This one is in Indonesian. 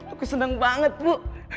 aku seneng banget bu